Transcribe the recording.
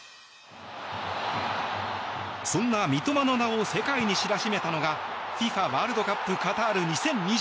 そんな三笘の名を世界に知らしめたのがＦＩＦＡワールドカップカタール２０２２